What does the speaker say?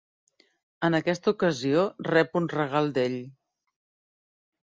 En aquesta ocasió, rep un regal d'ell.